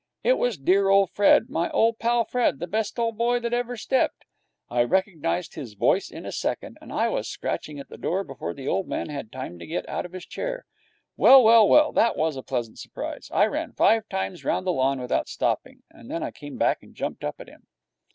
It was dear old Fred, my old pal Fred, the best old boy that ever stepped. I recognized his voice in a second, and I was scratching at the door before the old man had time to get up out of his chair. Well, well, well! That was a pleasant surprise! I ran five times round the lawn without stopping, and then I came back and jumped up at him.